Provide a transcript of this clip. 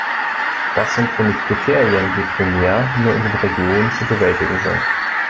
Das sind für mich Kriterien, die primär nur in den Regionen zu bewältigen sind.